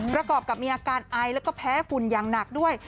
ประกอบกับมีอาการไอแล้วก็แพ้ฝุ่นอย่างหนักด้วย